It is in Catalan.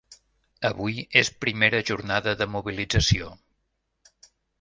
Avui és primera jornada de mobilització.